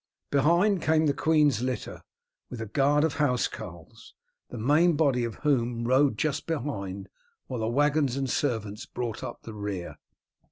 Behind came the queen's litter, with a guard of housecarls, the main body of whom rode just behind, while the waggons and servants brought up the rear.